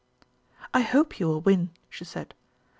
"I hope you will win," she said.